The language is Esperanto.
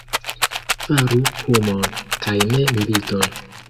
Faru humon kaj ne militon!